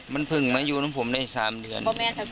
มันเพิ่งมาอยู่ของผมได้๓เดือน